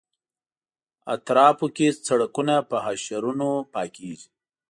اطرافونو کې سړکونه په حشرونو پاکېږي.